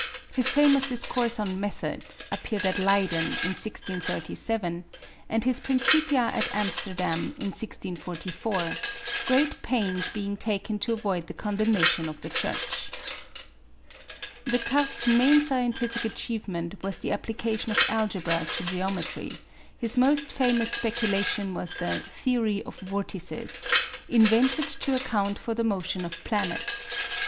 His famous Discourse on Method appeared at Leyden in 1637, and his Principia at Amsterdam in 1644; great pains being taken to avoid the condemnation of the Church. Descartes's main scientific achievement was the application of algebra to geometry; his most famous speculation was the "theory of vortices," invented to account for the motion of planets.